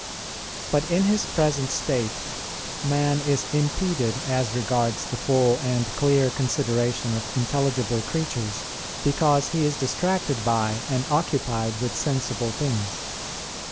But in his present state man is impeded as regards the full and clear consideration of intelligible creatures, because he is distracted by and occupied with sensible things.